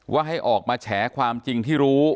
ให้ออกมาแฉความจริงที่รู้